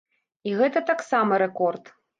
І гэта таксама рэкорд.